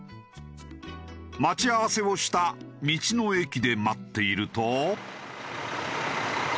待ち合わせをした道の駅で待っていると。